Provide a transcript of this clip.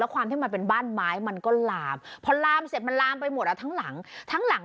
ความที่มันเป็นบ้านไม้มันก็ลามพอลามเสร็จมันลามไปหมดอ่ะทั้งหลังทั้งหลัง